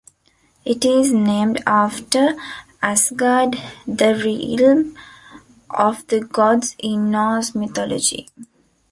It is named after Asgard, the realm of the gods in Norse mythology.